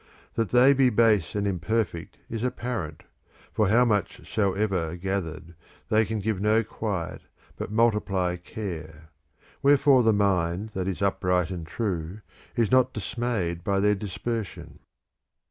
That they be base and imperfect is apparent, for how much soever gathered, they can give no quiet, but multiply care ; wherefore the mind that is upright and true is not dismayed by their dispersion.